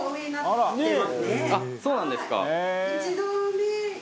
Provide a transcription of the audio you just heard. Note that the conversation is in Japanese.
あっそうなんですか。